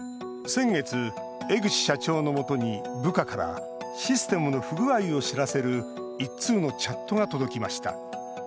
先月、江口社長のもとに部下からシステムの不具合を知らせる１通のチャットが届きました。